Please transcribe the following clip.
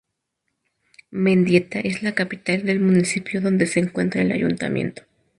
Mendieta es la capital del municipio, donde se encuentra el ayuntamiento.